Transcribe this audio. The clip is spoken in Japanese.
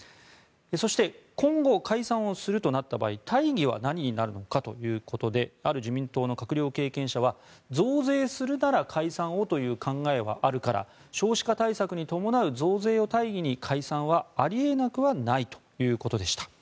そして、今後解散をするとなった場合大義は何になるのかということである自民党の閣僚経験者は増税するなら解散をという考えはあるから少子化対策に伴う増税を大義に解散はあり得なくはないということでした。